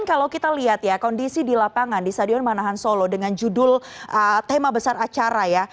kalau kita lihat ya kondisi di lapangan di stadion manahan solo dengan judul tema besar acara ya